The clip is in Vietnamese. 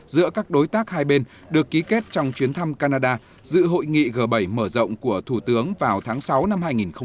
giữa các đối tác hai bên được ký kết trong chuyến thăm canada dự hội nghị g bảy mở rộng của thủ tướng vào tháng sáu năm hai nghìn hai mươi